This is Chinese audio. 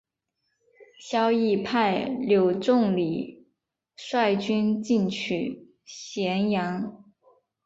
萧绎派柳仲礼率军进取襄阳。